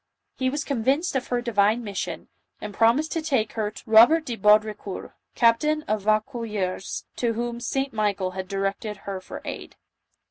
He was convinced of her divine mission, and promised to take her to Robert de Baudricourt, captain of Vaucouleurs, to whom St. Michael had directed her for aid.